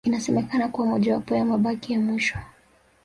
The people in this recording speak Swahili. Inasemekana kuwa mojawapo ya mabaki ya mwisho